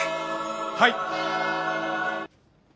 はい！